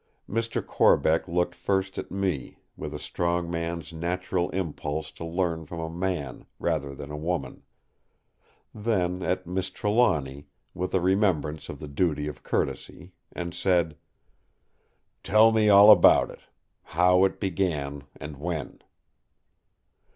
Mr. Corbeck looked first at me, with a strong man's natural impulse to learn from a man rather than a woman; then at Miss Trelawny, with a remembrance of the duty of courtesy, and said: "Tell me all about it. How it began and when!"